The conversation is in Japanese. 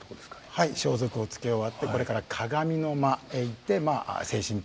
はい装束を着け終わってこれから鏡の間へ行って精神統一して。